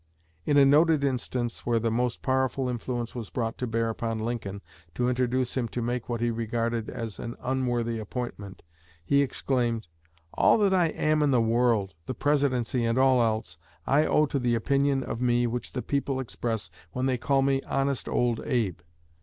In a noted instance where the most powerful influence was brought to bear upon Lincoln to induce him to make what he regarded as an unworthy appointment, he exclaimed: "All that I am in the world the Presidency and all else I owe to the opinion of me which the people express when they call me 'Honest Old Abe.'